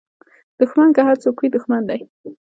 دوښمن که هر څوک وي دوښمن دی